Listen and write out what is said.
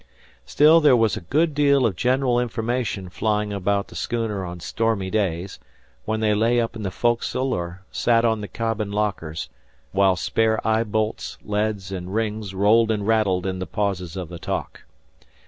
Still there was a good deal of general information flying about the schooner on stormy days, when they lay up in the foc'sle or sat on the cabin lockers, while spare eye bolts, leads, and rings rolled and rattled in the pauses of the talk.